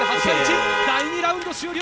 第２ラウンド終了。